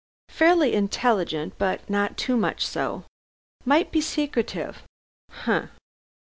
Fairly intelligent, but not too much so. Might be secretive. Humph!"